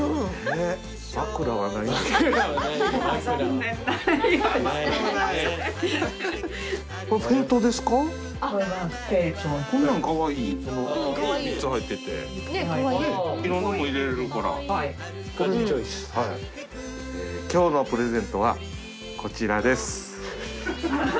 えー今日のプレゼントはこちらです。